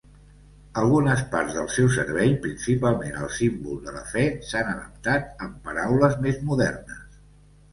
Algunes parts del seu servei, principalment el símbol de la fe, s"han adaptat amb paraules més modernes.